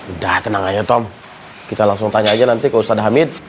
udah tenang aja tom kita langsung tanya aja nanti ke ustadz hamid